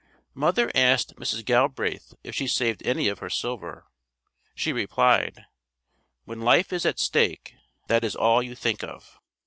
Mother asked Mrs. Galbraith if she saved any of her silver. She replied; "When life is at stake, that is all you think of."